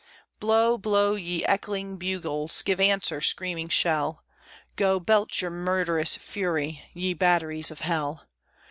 Blow, blow, ye echoing bugles! give answer, screaming shell! Go, belch your murderous fury, ye batteries of hell!